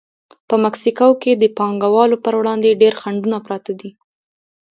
په مکسیکو کې د پانګوالو پر وړاندې ډېر خنډونه پراته دي.